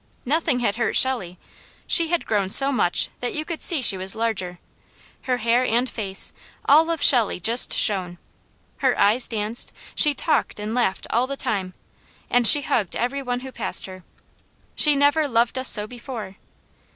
Nothing had hurt Shelley. She had grown so much that you could see she was larger. Her hair and face all of Shelley just shone. Her eyes danced, she talked and laughed all the time, and she hugged every one who passed her. She never loved us so before.